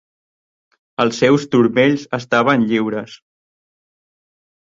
Els seus turmells estaven lliures.